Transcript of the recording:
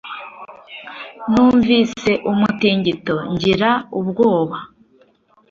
numvise umutingito ngira ubwoba